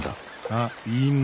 あっいいの。